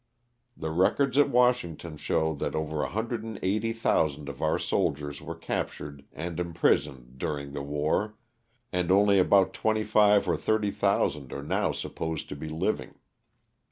The records at Washington show that over 180,000 of our soldiers were captured and imprisoned during the war, and only about twenty five or thirty thousand are now supposed to be living.